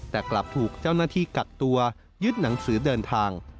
แต่กลับถูกเจ้าหน้าที่กักตัวยึดหนังสือเดินทาง